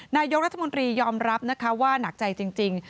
นายกรัฐมนตรียอมรับนะคะว่าหนักใจจริง